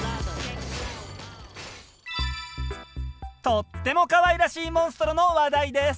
とってもかわいらしいモンストロの話題です。